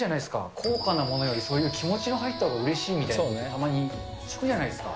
高価なものより、そういう気持ちの入ったほうがうれしいって、たまに聞くじゃないですか。